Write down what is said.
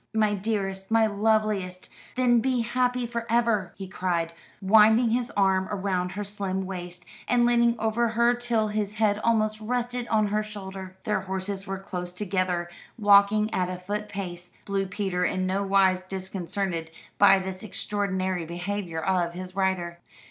"My dearest, my loveliest, then be happy for ever!" he cried, winding his arm round her slim waist, and leaning over her till his head almost rested on her shoulder. Their horses were close together, walking at a foot pace, Blue Peter in nowise disconcerted by this extraordinary behaviour of his rider.